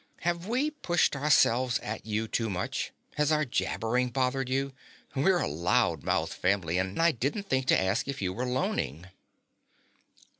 "Have we pushed ourselves at you too much? Has our jabbering bothered you? We're a loud mouthed family and I didn't think to ask if you were loning."